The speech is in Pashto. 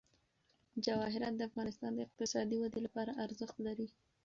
جواهرات د افغانستان د اقتصادي ودې لپاره ارزښت لري.